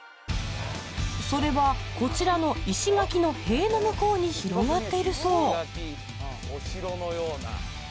それはこちらの石垣の塀の向こうに広がっているそうお城のような。